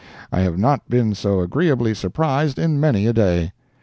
I have not been so agreeably surprised in many a day.